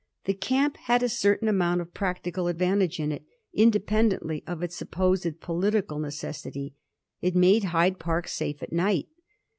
The camp had a certain amount of practical advan tage in it, independently of its supposed political necessity — ^it made Hyde Park safe at night.